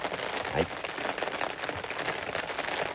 はい。